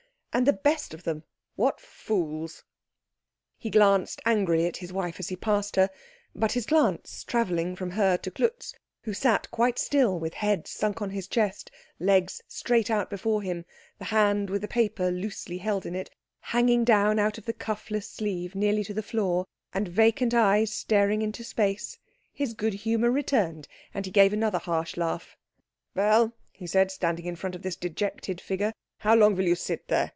And the best of them, what fools. He glanced angrily at his wife as he passed her, but his glance, travelling from her to Klutz, who sat quite still with head sunk on his chest, legs straight out before him, the hand with the paper loosely held in it hanging down out of the cuffless sleeve nearly to the floor, and vacant eyes staring into space, his good humour returned, and he gave another harsh laugh. "Well?" he said, standing in front of this dejected figure. "How long will you sit there?